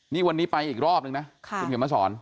นี่วันนี้ไปอีกรอบนึงนะคุณเขียนมาสอน